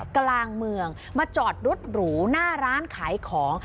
กลางเมืองมาจอดรถหรูหน้าร้านขายของ